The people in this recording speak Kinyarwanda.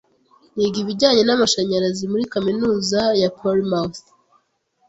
Niga ibijyanye n’amashanyarazi muri kaminuza ya Plymouth.